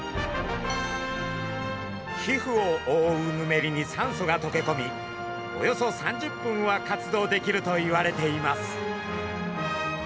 皮膚をおおうヌメリに酸素がとけこみおよそ３０分は活動できるといわれています。